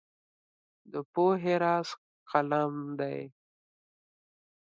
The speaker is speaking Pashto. د پوهې راز قلم دی.